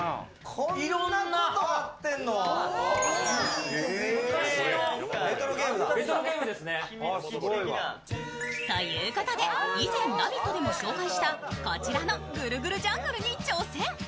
こんなことになってんの！？ということで、以前「ラヴィット！」でも紹介したこちらの「ぐるぐるジャングル」に挑戦。